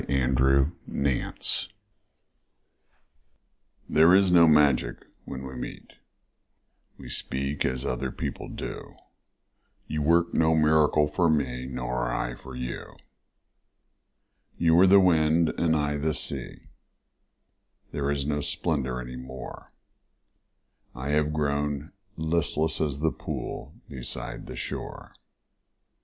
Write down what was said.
After Love THERE is no magic when we meet, We speak as other people do, You work no miracle for me Nor I for you. You were the wind and I the sea There is no splendor any more, I have grown listless as the pool Beside the shore.